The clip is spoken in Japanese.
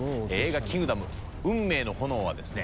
撚「キングダム運命の炎」はですね